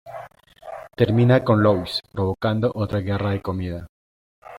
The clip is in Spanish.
Termina con Louise provocando otra guerra de comida.